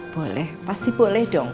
boleh pasti boleh dong